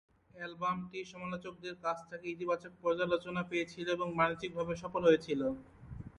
অ্যালবামটি সমালোচকদের কাছ থেকে ইতিবাচক পর্যালোচনা পেয়েছিল এবং বাণিজ্যিকভাবে সফল হয়েছিল।